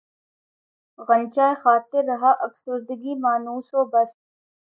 غنچۂ خاطر رہا افسردگی مانوس و بس